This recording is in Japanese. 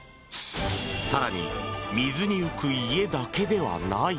更に水に浮く家だけではない？